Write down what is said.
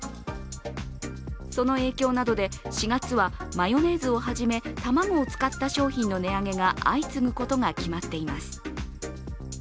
その影響などで４月はマヨネーズをはじめ卵を使った商品の値上げが相次ぐことが決まっています。